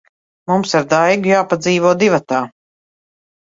Mums ar Daigu jāpadzīvo divatā.